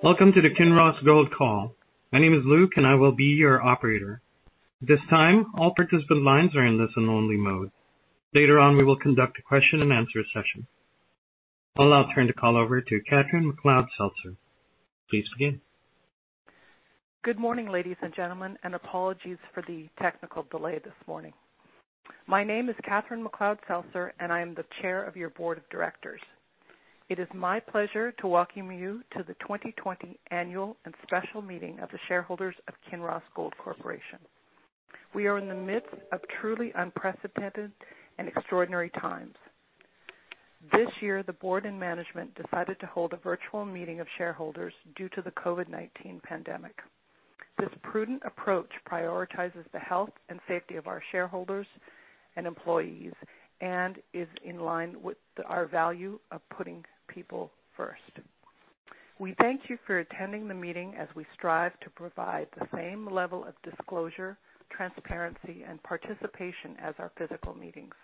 Welcome to the Kinross Gold call. My name is Luke, and I will be your operator. At this time, all participant lines are in listen only mode. Later on, we will conduct a question and answer session. I'll now turn the call over to Catherine McLeod-Seltzer. Please begin. Good morning, ladies and gentlemen, and apologies for the technical delay this morning. My name is Catherine McLeod-Seltzer, and I am the Chair of your Board of Directors. It is my pleasure to welcome you to the 2020 annual and special meeting of the shareholders of Kinross Gold Corporation. We are in the midst of truly unprecedented and extraordinary times. This year, the board and management decided to hold a virtual meeting of shareholders due to the COVID-19 pandemic. This prudent approach prioritizes the health and safety of our shareholders and employees and is in line with our value of putting people first. We thank you for attending the meeting as we strive to provide the same level of disclosure, transparency, and participation as our physical meetings.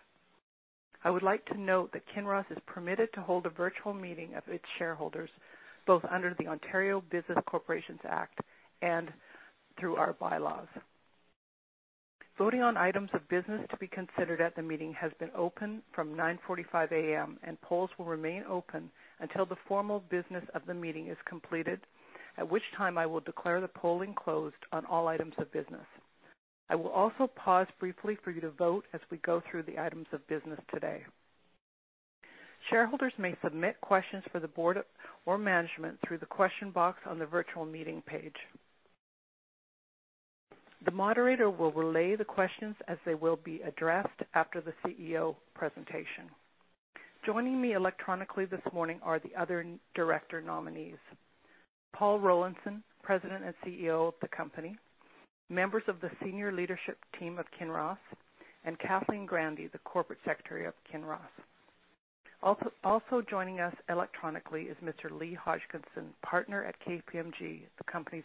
I would like to note that Kinross is permitted to hold a virtual meeting of its shareholders, both under the Ontario Business Corporations Act and through our bylaws. Voting on items of business to be considered at the meeting has been open from 9:45 A.M., and polls will remain open until the formal business of the meeting is completed, at which time I will declare the polling closed on all items of business. I will also pause briefly for you to vote as we go through the items of business today. Shareholders may submit questions for the board or management through the question box on the virtual meeting page. The moderator will relay the questions as they will be addressed after the CEO presentation. Joining me electronically this morning are the other director nominees. Paul Rollinson, President and CEO of the company, members of the senior leadership team of Kinross, and Kathleen Grandy, the Corporate Secretary of Kinross. Also joining us electronically is Mr. Lee Hodgkinson, partner at KPMG, the company's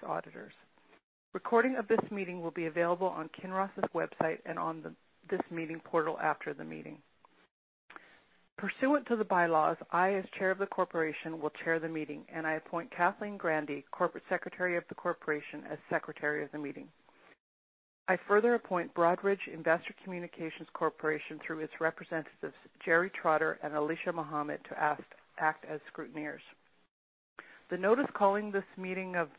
auditors. Recording of this meeting will be available on Kinross's website and on this meeting portal after the meeting. Pursuant to the bylaws, I, as chair of the corporation, will chair the meeting, and I appoint Kathleen Grandy, Corporate Secretary of the corporation, as secretary of the meeting. I further appoint Broadridge Investor Communications Corporation through its representatives, Jerry Trotter and Alicia Mohammed, to act as scrutineers. The notice calling this meeting of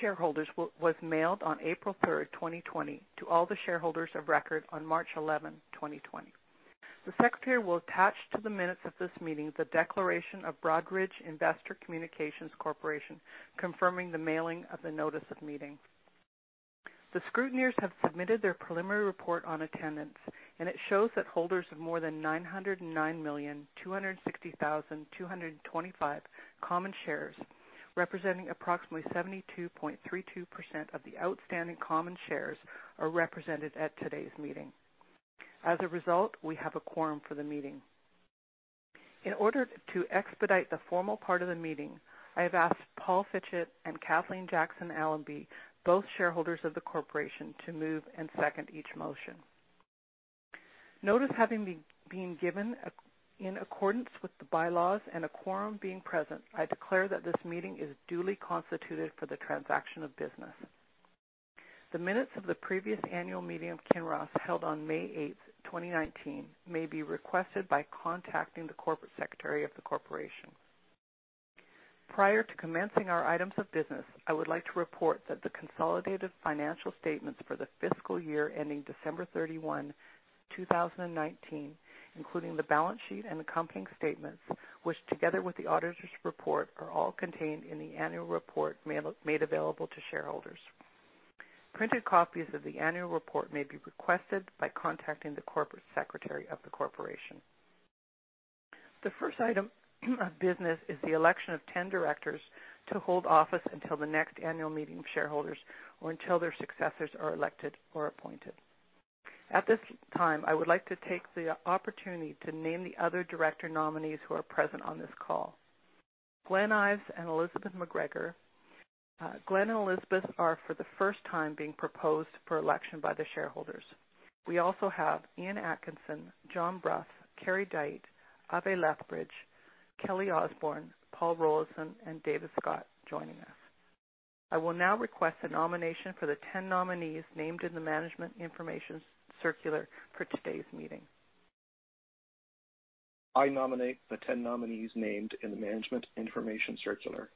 shareholders was mailed on April 3rd, 2020 to all the shareholders of record on March 11th, 2020. The secretary will attach to the minutes of this meeting the declaration of Broadridge Investor Communications Corporation, confirming the mailing of the notice of meeting. The scrutineers have submitted their preliminary report on attendance. It shows that holders of more than 909,260,225 common shares, representing approximately 72.32% of the outstanding common shares, are represented at today's meeting. As a result, we have a quorum for the meeting. In order to expedite the formal part of the meeting, I have asked Paul Fitchett and Catharine Jackson Allamby, both shareholders of the corporation, to move and second each motion. Notice having been given in accordance with the bylaws and a quorum being present, I declare that this meeting is duly constituted for the transaction of business. The minutes of the previous annual meeting of Kinross, held on May 8th, 2019, may be requested by contacting the corporate secretary of the corporation. Prior to commencing our items of business, I would like to report that the consolidated financial statements for the fiscal year ending December 31st, 2019, including the balance sheet and accompanying statements, which together with the auditor's report, are all contained in the annual report made available to shareholders. Printed copies of the annual report may be requested by contacting the corporate secretary of the corporation. The first item of business is the election of 10 directors to hold office until the next annual meeting of shareholders or until their successors are elected or appointed. At this time, I would like to take the opportunity to name the other director nominees who are present on this call. Glenn Ives and Elizabeth McGregor. Glenn and Elizabeth are for the first time being proposed for election by the shareholders. We also have Ian Atkinson, John Brough, Kerry Dyte, Ave Lethbridge, Kelly Osborne, Paul Rollinson, and David Scott joining us. I will now request a nomination for the 10 nominees named in the management information circular for today's meeting. I nominate the 10 nominees named in the management information circular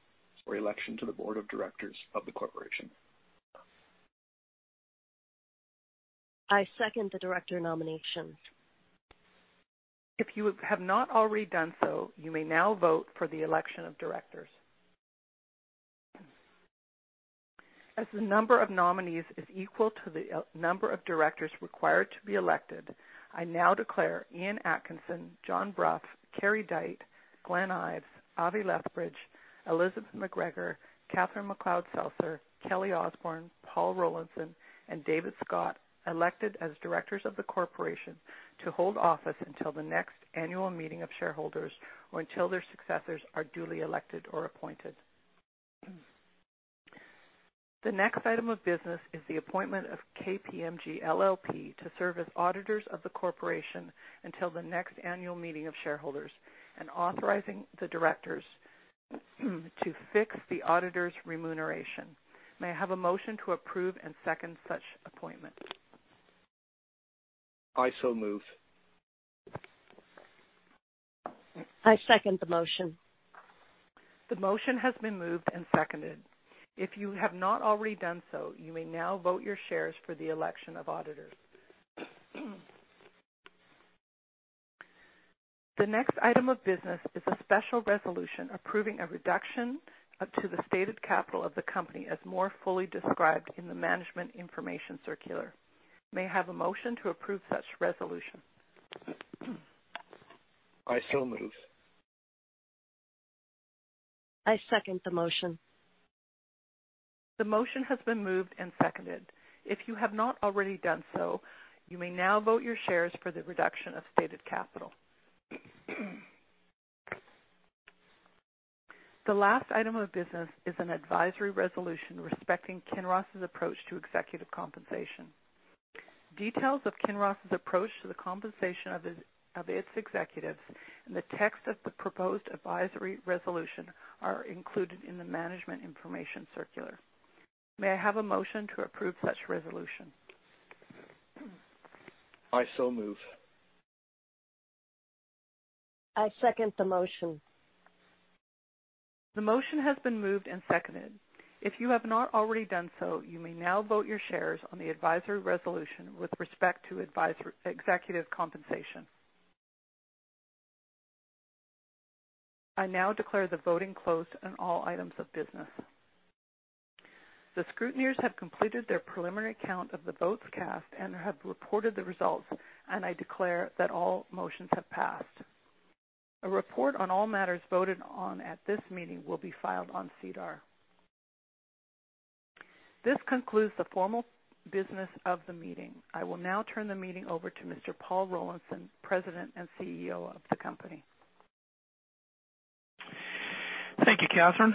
for election to the board of directors of the corporation. I second the director nomination. If you have not already done so, you may now vote for the election of directors. As the number of nominees is equal to the number of directors required to be elected, I now declare Ian Atkinson, John Brough, Kerry Dyte, Glenn Ives, Ave Lethbridge, Elizabeth McGregor, Catherine McLeod-Seltzer, Kelly Osborne, Paul Rollinson, and David Scott elected as directors of the corporation to hold office until the next annual meeting of shareholders or until their successors are duly elected or appointed. The next item of business is the appointment of KPMG LLP to serve as auditors of the corporation until the next annual meeting of shareholders and authorizing the directors to fix the auditors' remuneration. May I have a motion to approve and second such appointment? I so move. I second the motion. The motion has been moved and seconded. If you have not already done so, you may now vote your shares for the election of auditors. The next item of business is a special resolution approving a reduction to the stated capital of the company, as more fully described in the management information circular. May I have a motion to approve such resolution? I so move. I second the motion. The motion has been moved and seconded. If you have not already done so, you may now vote your shares for the reduction of stated capital. The last item of business is an advisory resolution respecting Kinross' approach to executive compensation. Details of Kinross' approach to the compensation of its executives and the text of the proposed advisory resolution are included in the management information circular. May I have a motion to approve such resolution? I so move. I second the motion. The motion has been moved and seconded. If you have not already done so, you may now vote your shares on the advisory resolution with respect to executive compensation. I now declare the voting closed on all items of business. The scrutineers have completed their preliminary count of the votes cast and have reported the results, and I declare that all motions have passed. A report on all matters voted on at this meeting will be filed on SEDAR. This concludes the formal business of the meeting. I will now turn the meeting over to Mr. Paul Rollinson, President and CEO of the company. Thank you, Catherine,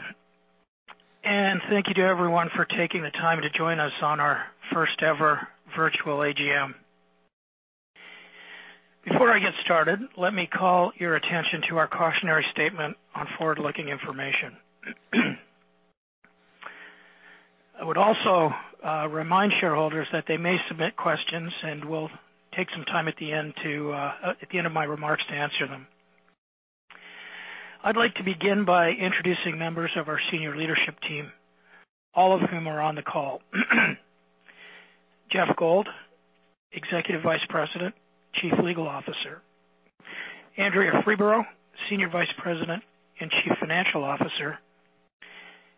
and thank you to everyone for taking the time to join us on our first-ever virtual AGM. Before I get started, let me call your attention to our cautionary statement on forward-looking information. I would also remind shareholders that they may submit questions, and we'll take some time at the end of my remarks to answer them. I'd like to begin by introducing members of our Senior Leadership Team, all of whom are on the call. Geoff Gold, Executive Vice President, Chief Legal Officer, Andrea Freeborough, Senior Vice President and Chief Financial Officer,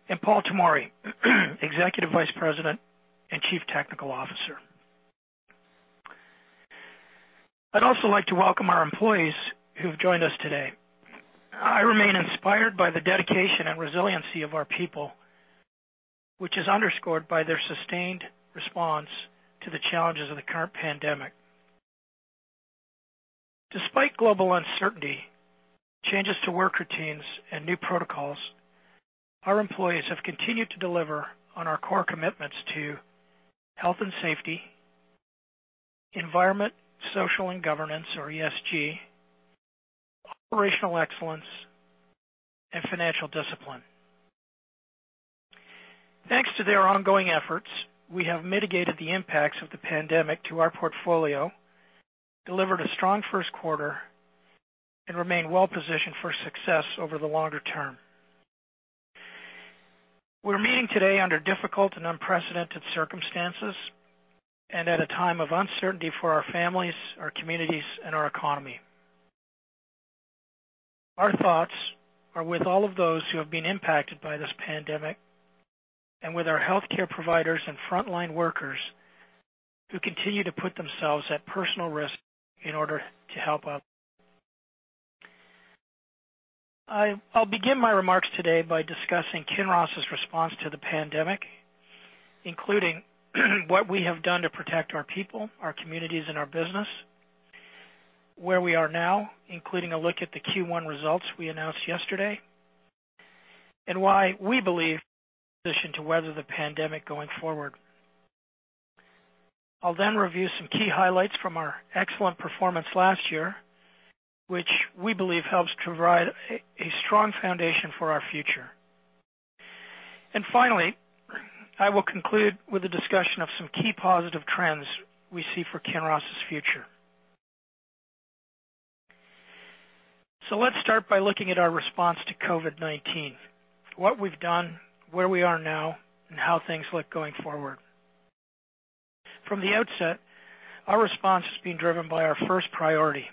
and Paul Tomory, Executive Vice President and Chief Technical Officer. I'd also like to welcome our employees who've joined us today. I remain inspired by the dedication and resiliency of our people, which is underscored by their sustained response to the challenges of the current pandemic. Despite global uncertainty, changes to work routines, and new protocols, our employees have continued to deliver on our core commitments to health and safety, environment, social, and governance, or ESG, operational excellence, and financial discipline. Thanks to their ongoing efforts, we have mitigated the impacts of the pandemic to our portfolio, delivered a strong first quarter, and remain well-positioned for success over the longer term. We're meeting today under difficult and unprecedented circumstances and at a time of uncertainty for our families, our communities, and our economy. Our thoughts are with all of those who have been impacted by this pandemic and with our healthcare providers and frontline workers who continue to put themselves at personal risk in order to help others. I'll begin my remarks today by discussing Kinross' response to the pandemic, including what we have done to protect our people, our communities, and our business, where we are now, including a look at the Q1 results we announced yesterday, why we believe we're positioned to weather the pandemic going forward. I'll review some key highlights from our excellent performance last year, which we believe helps to provide a strong foundation for our future. Finally, I will conclude with a discussion of some key positive trends we see for Kinross' future. Let's start by looking at our response to COVID-19, what we've done, where we are now, and how things look going forward. From the outset, our response has been driven by our first priority,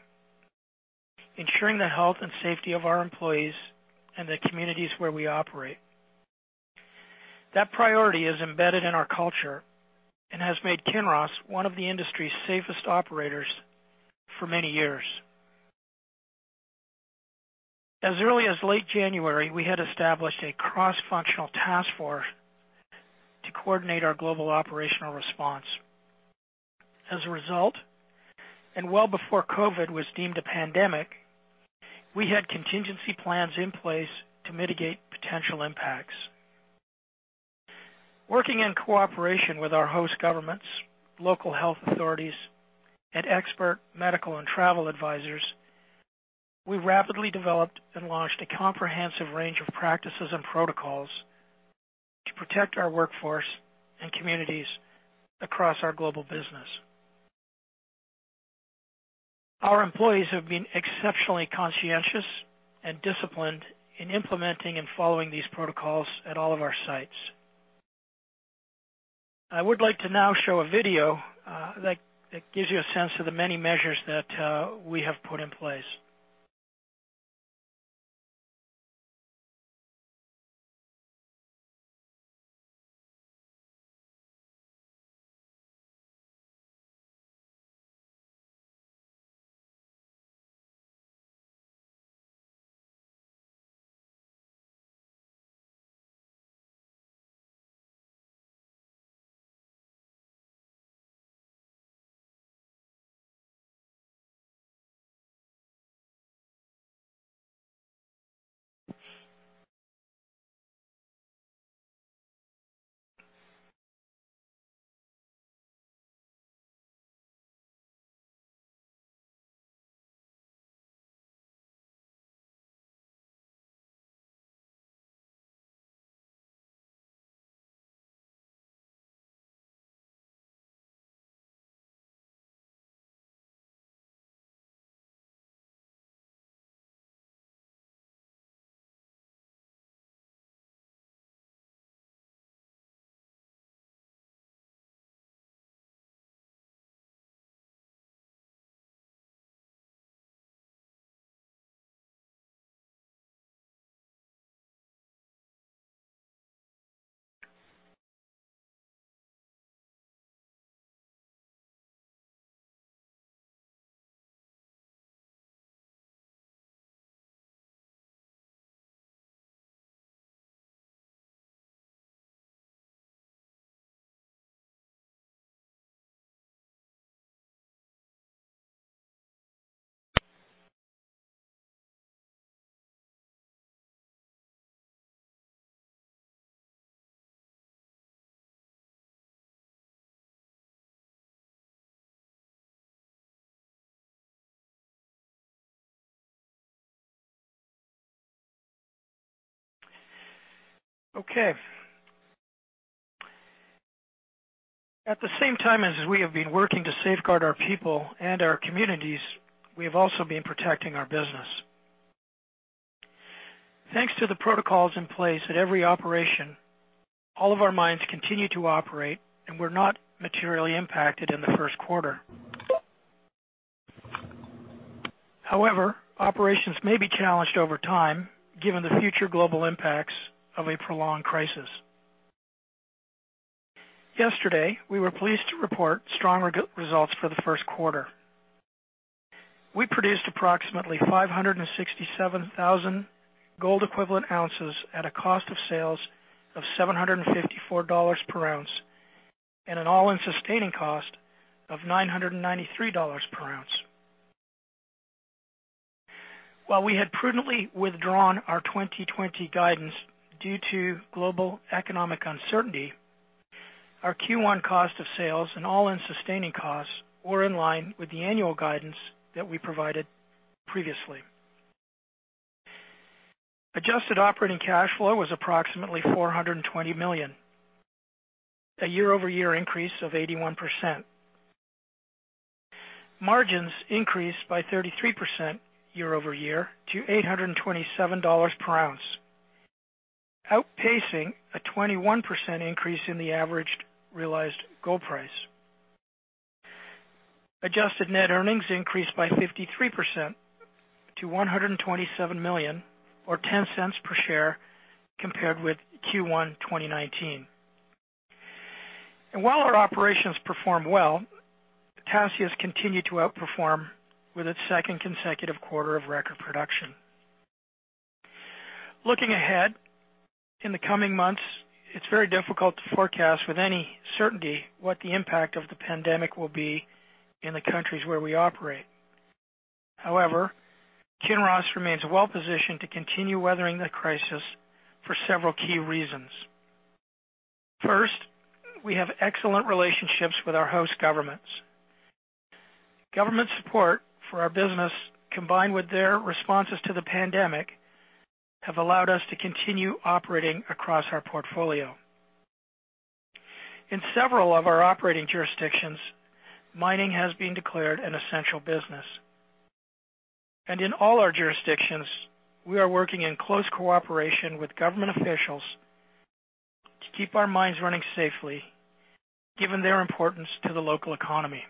ensuring the health and safety of our employees and the communities where we operate. That priority is embedded in our culture and has made Kinross one of the industry's safest operators for many years. As early as late January, we had established a cross-functional task force to coordinate our global operational response. As a result, and well before COVID was deemed a pandemic, we had contingency plans in place to mitigate potential impacts. Working in cooperation with our host governments, local health authorities, and expert medical and travel advisors, we rapidly developed and launched a comprehensive range of practices and protocols to protect our workforce and communities across our global business. Our employees have been exceptionally conscientious and disciplined in implementing and following these protocols at all of our sites. I would like to now show a video that gives you a sense of the many measures that we have put in place. Okay. At the same time as we have been working to safeguard our people and our communities, we have also been protecting our business. Thanks to the protocols in place at every operation, all of our mines continue to operate and were not materially impacted in the first quarter. Operations may be challenged over time given the future global impacts of a prolonged crisis. Yesterday, we were pleased to report stronger results for the first quarter. We produced approximately 567,000 gold equivalent ounces at a cost of sales of $754 per ounce and an all-in sustaining cost of $993 per ounce. While we had prudently withdrawn our 2020 guidance due to global economic uncertainty, our Q1 cost of sales and all-in sustaining costs were in line with the annual guidance that we provided previously. Adjusted operating cash flow was approximately $420 million, a YoY increase of 81%. Margins increased by 33% YoY to $827 per ounce, outpacing a 21% increase in the averaged realized gold price. Adjusted net earnings increased by 53% to $127 million, or $0.10 per share, compared with Q1 2019. While our operations performed well, Paracatu has continued to outperform with its second consecutive quarter of record production. Looking ahead, in the coming months, it's very difficult to forecast with any certainty what the impact of the pandemic will be in the countries where we operate. However, Kinross remains well positioned to continue weathering the crisis for several key reasons. First, we have excellent relationships with our host governments. Government support for our business, combined with their responses to the pandemic, have allowed us to continue operating across our portfolio. In several of our operating jurisdictions, mining has been declared an essential business. In all our jurisdictions, we are working in close cooperation with government officials to keep our mines running safely given their importance to the local economy.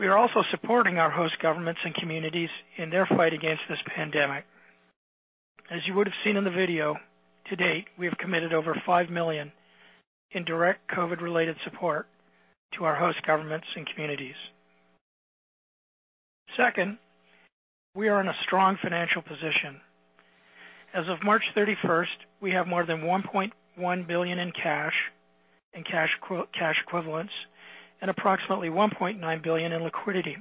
We are also supporting our host governments and communities in their fight against this pandemic. As you would have seen in the video, to date, we have committed over $5 million in direct COVID-19-related support to our host governments and communities. Second, we are in a strong financial position. As of March 31st, we have more than $1.1 billion in cash equivalents and approximately $1.9 billion in liquidity.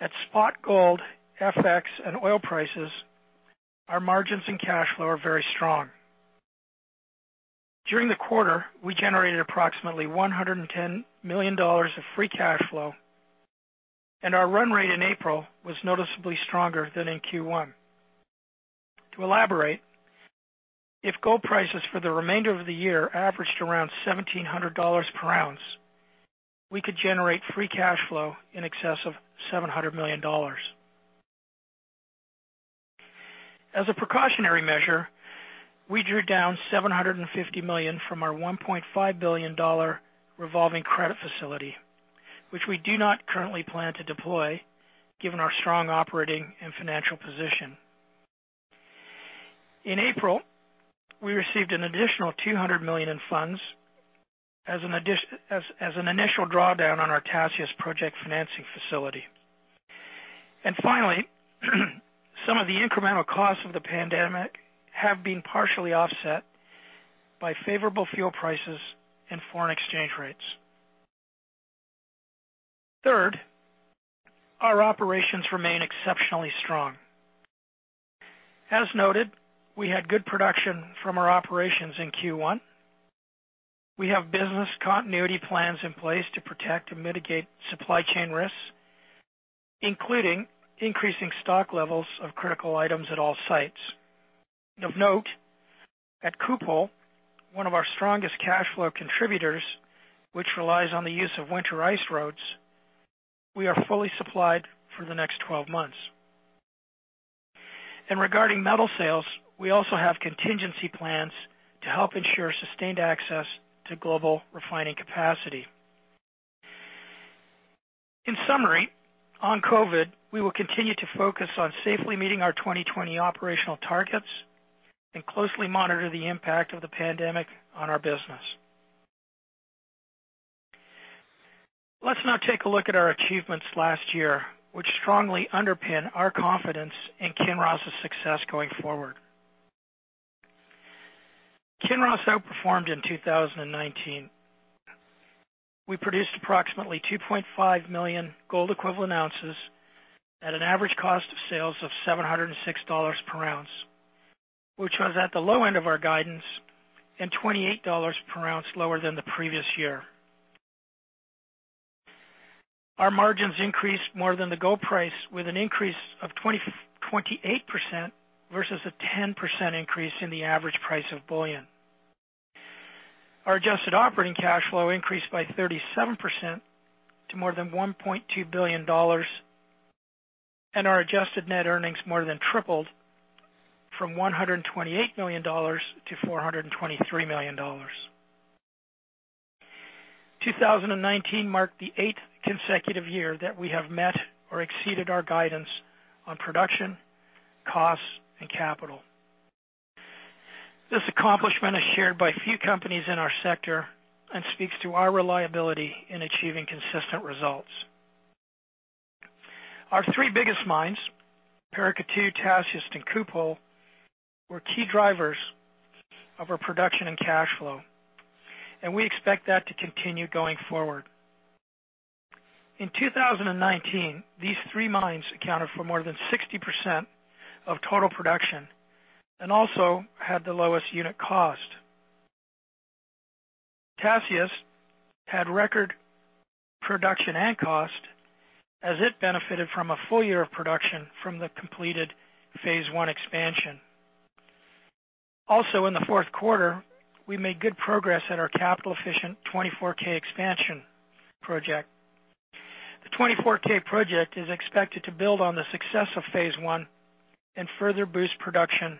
At spot gold, FX, and oil prices, our margins and cash flow are very strong. During the quarter, we generated approximately $110 million of free cash flow, and our run rate in April was noticeably stronger than in Q1. To elaborate, if gold prices for the remainder of the year averaged around $1,700 per ounce, we could generate free cash flow in excess of $700 million. As a precautionary measure, we drew down $750 million from our $1.5 billion revolving credit facility, which we do not currently plan to deploy given our strong operating and financial position. In April, we received an additional $200 million in funds as an initial drawdown on our Tasiast Project financing facility. Finally, some of the incremental costs of the pandemic have been partially offset by favorable fuel prices and foreign exchange rates. Third, our operations remain exceptionally strong. As noted, we had good production from our operations in Q1. We have business continuity plans in place to protect and mitigate supply chain risks, including increasing stock levels of critical items at all sites. Of note, at Kupol, one of our strongest cash flow contributors, which relies on the use of winter ice roads, we are fully supplied for the next 12 months. Regarding metal sales, we also have contingency plans to help ensure sustained access to global refining capacity. In summary, on COVID, we will continue to focus on safely meeting our 2020 operational targets and closely monitor the impact of the pandemic on our business. Let's now take a look at our achievements last year, which strongly underpin our confidence in Kinross' success going forward. Kinross outperformed in 2019. We produced approximately 2.5 million gold equivalent ounces at an average cost of sales of $706 per ounce, which was at the low end of our guidance and $28 per ounce lower than the previous year. Our margins increased more than the gold price with an increase of 28% versus a 10% increase in the average price of bullion. Our adjusted operating cash flow increased by 37% to more than $1.2 billion, and our adjusted net earnings more than tripled from $128 million-$423 million. 2019 marked the eighth consecutive year that we have met or exceeded our guidance on production, costs, and capital. This accomplishment is shared by few companies in our sector and speaks to our reliability in achieving consistent results. Our three biggest mines, Paracatu, Tasiast, and Kupol, were key drivers of our production and cash flow, and we expect that to continue going forward. In 2019, these three mines accounted for more than 60% of total production and also had the lowest unit cost. Tasiast had record production and cost as it benefited from a full year of production from the completed phase I expansion. In the fourth quarter, we made good progress at our capital efficient 24k expansion project. The 24k project is expected to build on the success of phase I and further boost production,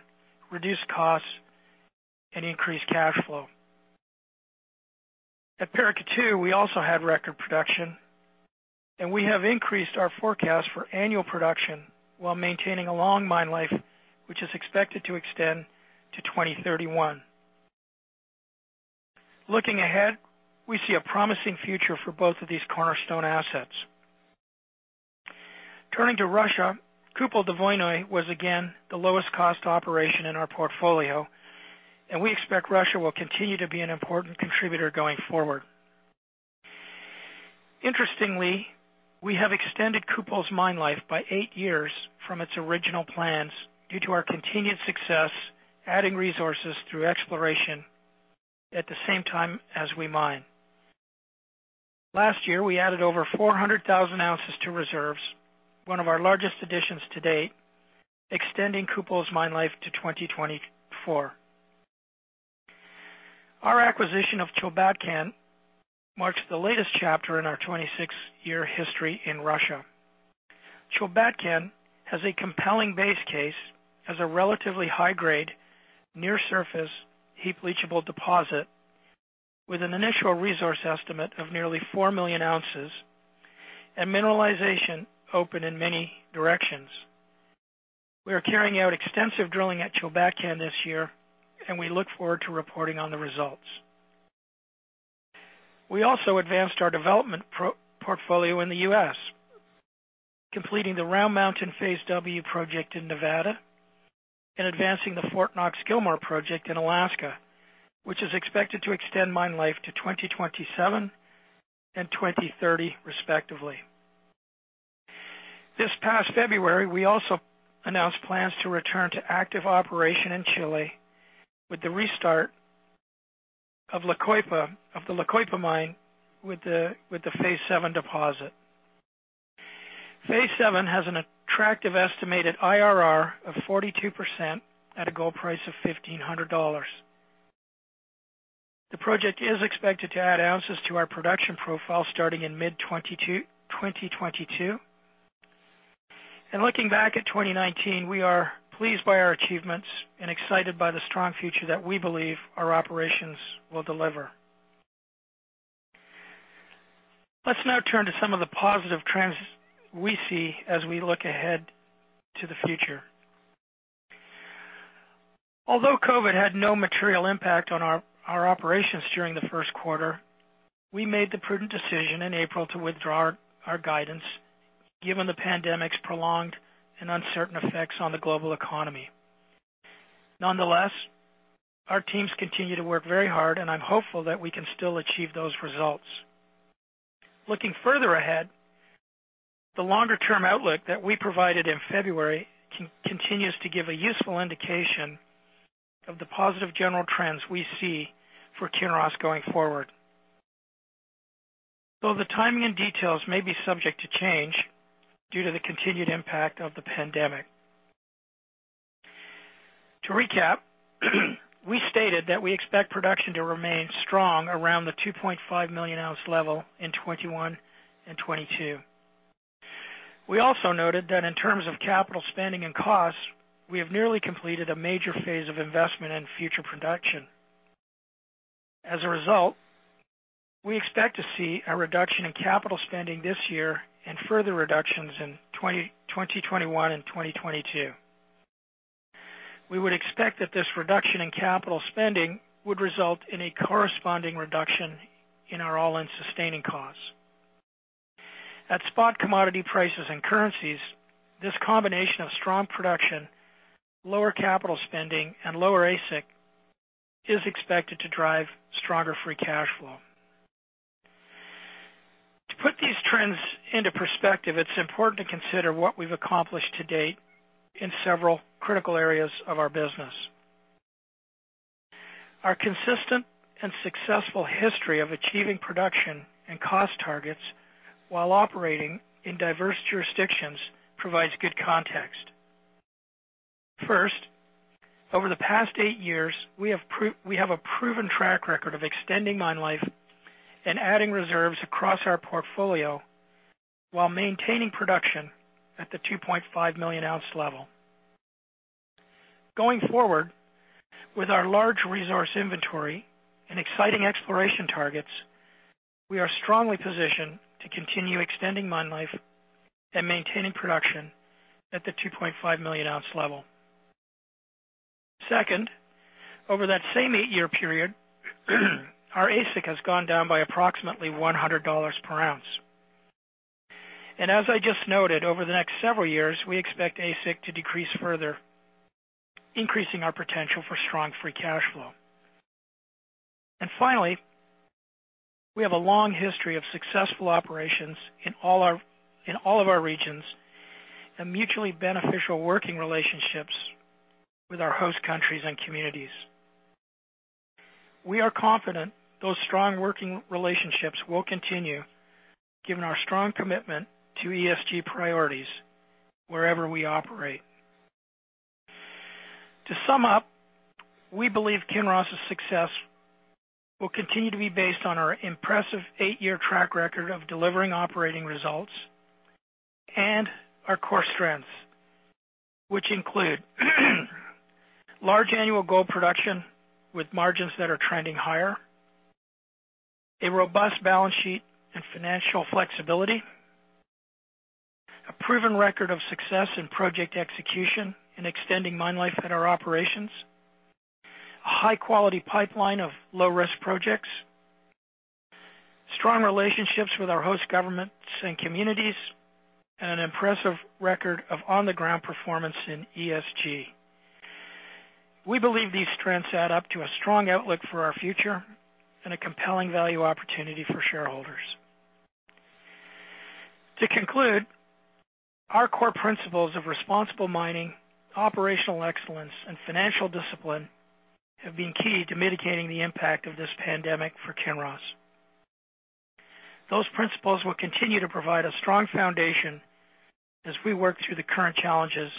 reduce costs, and increase cash flow. At Paracatu, we also had record production, we have increased our forecast for annual production while maintaining a long mine life, which is expected to extend to 2031. Looking ahead, we see a promising future for both of these cornerstone assets. Turning to Russia, Kupol Dvoynoye was again the lowest cost operation in our portfolio, we expect Russia will continue to be an important contributor going forward. Interestingly, we have extended Kupol's mine life by eight years from its original plans due to our continued success adding resources through exploration at the same time as we mine. Last year, we added over 400,000 ounces to reserves, one of our largest additions to date, extending Kupol's mine life to 2024. Our acquisition of Chulbatkan marks the latest chapter in our 26-year history in Russia. Chulbatkan has a compelling base case as a relatively high-grade, near surface, heap leachable deposit with an initial resource estimate of nearly 4 million ounces and mineralization open in many directions. We are carrying out extensive drilling at Chulbatkan this year, and we look forward to reporting on the results. We also advanced our development portfolio in the U.S., completing the Round Mountain Phase W project in Nevada and advancing the Fort Knox/Gilmore project in Alaska, which is expected to extend mine life to 2027 and 2030 respectively. This past February, we also announced plans to return to active operation in Chile with the restart of the La Coipa mine with the phase VII deposit. Phase VII has an attractive estimated IRR of 42% at a gold price of $1,500. The project is expected to add ounces to our production profile starting in mid-2022. Looking back at 2019, we are pleased by our achievements and excited by the strong future that we believe our operations will deliver. Let's now turn to some of the positive trends we see as we look ahead to the future. Although COVID-19 had no material impact on our operations during the first quarter, we made the prudent decision in April to withdraw our guidance given the pandemic's prolonged and uncertain effects on the global economy. Nonetheless, our teams continue to work very hard, and I'm hopeful that we can still achieve those results. Looking further ahead, the longer-term outlook that we provided in February continues to give a useful indication of the positive general trends we see for Kinross going forward. Though the timing and details may be subject to change due to the continued impact of the pandemic. To recap, we stated that we expect production to remain strong around the 2.5 million ounce level in 2021 and 2022. We also noted that in terms of capital spending and costs, we have nearly completed a major phase of investment in future production. As a result, we expect to see a reduction in capital spending this year and further reductions in 2021 and 2022. We would expect that this reduction in capital spending would result in a corresponding reduction in our all-in sustaining costs. At spot commodity prices and currencies, this combination of strong production, lower capital spending, and lower AISC is expected to drive stronger free cash flow. To put these trends into perspective, it's important to consider what we've accomplished to date in several critical areas of our business. Our consistent and successful history of achieving production and cost targets while operating in diverse jurisdictions provides good context. First, over the past 8 years, we have a proven track record of extending mine life and adding reserves across our portfolio while maintaining production at the 2.5 million ounce level. Going forward, with our large resource inventory and exciting exploration targets, we are strongly positioned to continue extending mine life and maintaining production at the 2.5 million ounce level. Second, over that same 8-year period, our AISC has gone down by approximately $100 per ounce. As I just noted, over the next several years, we expect AISC to decrease further, increasing our potential for strong free cash flow. Finally, we have a long history of successful operations in all of our regions and mutually beneficial working relationships with our host countries and communities. We are confident those strong working relationships will continue given our strong commitment to ESG priorities wherever we operate. To sum up, we believe Kinross' success will continue to be based on our impressive eight-year track record of delivering operating results and our core strengths, which include large annual gold production with margins that are trending higher, a robust balance sheet and financial flexibility, a proven record of success in project execution and extending mine life at our operations, a high-quality pipeline of low-risk projects, strong relationships with our host governments and communities, and an impressive record of on-the-ground performance in ESG. We believe these trends add up to a strong outlook for our future and a compelling value opportunity for shareholders. To conclude, our core principles of responsible mining, operational excellence, and financial discipline have been key to mitigating the impact of this pandemic for Kinross. Those principles will continue to provide a strong foundation as we work through the current challenges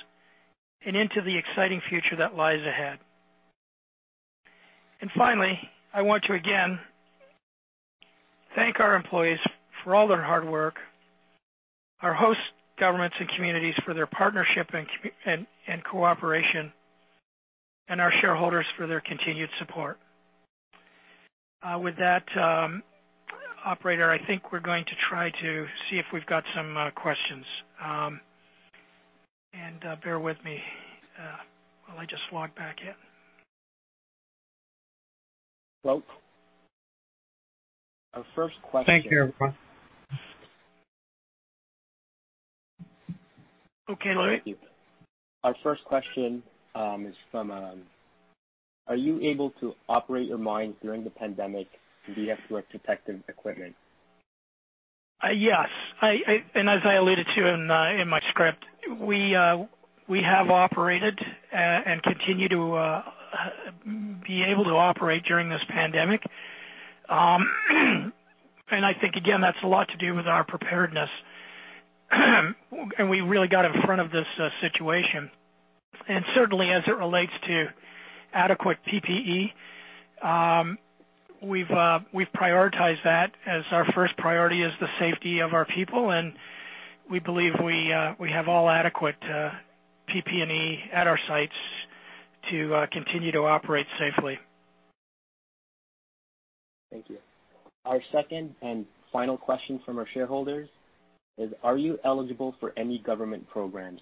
and into the exciting future that lies ahead. Finally, I want to again thank our employees for all their hard work, our host governments and communities for their partnership and cooperation, and our shareholders for their continued support. With that, operator, I think we're going to try to see if we've got some questions. Bear with me while I just log back in. Hello. Our first question. Thank you, everyone. Okay, Louie. Our first question is from, are you able to operate your mines during the pandemic via direct detection equipment? Yes. As I alluded to in my script, we have operated, and continue to be able to operate during this pandemic. I think, again, that's a lot to do with our preparedness. We really got in front of this situation. Certainly, as it relates to adequate PPE, we've prioritized that as our first priority is the safety of our people, and we believe we have all adequate PP&E at our sites to continue to operate safely. Thank you. Our second and final question from our shareholders is, are you eligible for any government programs?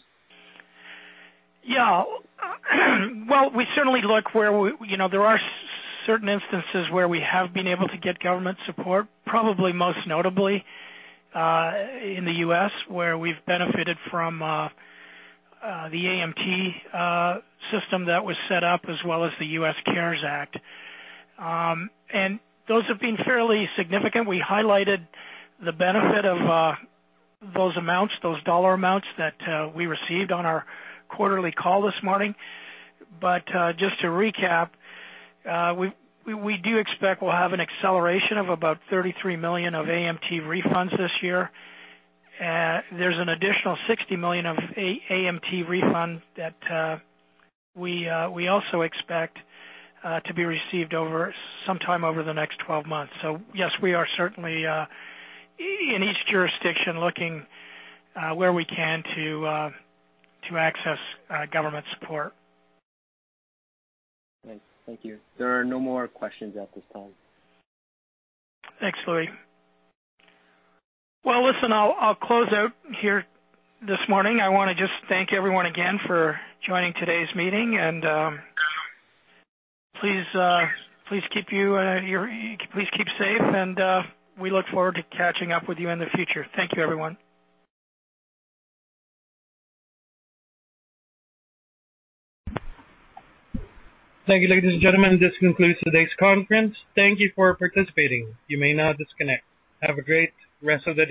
Well, there are certain instances where we have been able to get government support, probably most notably, in the U.S., where we've benefited from the AMT system that was set up as well as the US CARES Act. Those have been fairly significant. We highlighted the benefit of those amounts, those dollar amounts that we received on our quarterly call this morning. Just to recap, we do expect we'll have an acceleration of about $33 million of AMT refunds this year. There's an additional $60 million of AMT refund that we also expect to be received sometime over the next 12 months. Yes, we are certainly, in each jurisdiction, looking where we can to access government support. Thanks. Thank you. There are no more questions at this time. Thanks, Louie. Well, listen, I'll close out here this morning. I want to just thank everyone again for joining today's meeting, and please keep safe and we look forward to catching up with you in the future. Thank you, everyone. Thank you, ladies and gentlemen. This concludes today's conference. Thank you for participating. You may now disconnect. Have a great rest of the day.